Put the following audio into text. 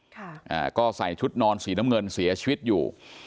อ่าก็ใส่ชุดนอนสีน้ำเงินเสียชีวิตอยู่